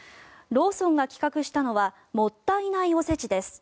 ローソンが企画したのはもったいないおせちです。